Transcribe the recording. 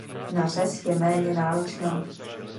Na řez je méně náročná.